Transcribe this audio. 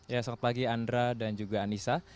ya selamat pagi andra dan juga anissa